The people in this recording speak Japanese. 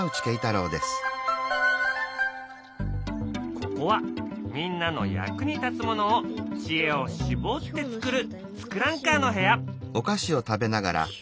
ここはみんなの役に立つものを知恵を絞って作る「ツクランカー」の部屋。